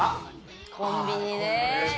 コンビニね。